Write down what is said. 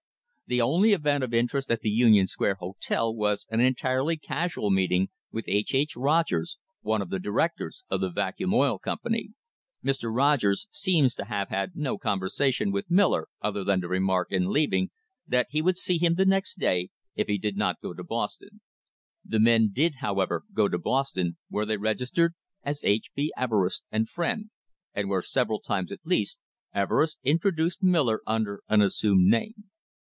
The only event of interest at the Union Square Hotel was an entirely casual meeting with H. H. Rogers, one of the directors of the Vacuum Oil Company. Mr. Rogers seems to have had no conversation with Miller other than to remark, in leaving, that he would see him the next day if he did not go to Boston. The men did, however, go to Boston, where they registered as "H. B. Everest and friend," and where several times, at least, Everest introduced Miller under an assumed name.